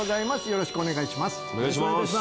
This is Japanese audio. よろしくお願いします